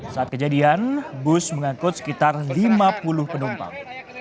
saat kejadian bus mengangkut sekitar lima puluh penumpang